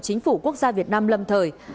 chính phủ quốc gia việt nam lâm thời